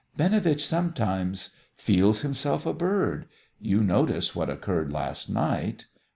Binovitch sometimes feels himself a bird! You noticed what occurred last night?"